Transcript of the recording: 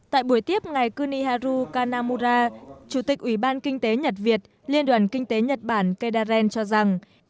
tại buổi tiếp ngày kuniharu kanamura chủ tịch ủy ban kinh tế nhật việt liên đoàn kinh tế nhật bản kedaren cho rằng